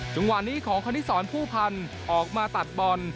จังหวะนี้ของคณิตสอนผู้พันธ์ออกมาตัดบอล